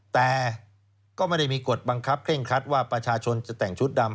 แต่ก็ไม่ได้มีกฎบังคับเคร่งครัดว่าประชาชนจะแต่งชุดดำ